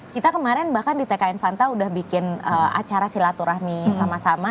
kita kemarin bahkan di tkn vanta udah bikin acara silaturahmi sama sama